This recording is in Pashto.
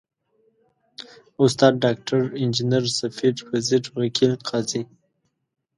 استاد، ډاکټر، انجنیر، ، سفیر، وزیر، وکیل، قاضي ...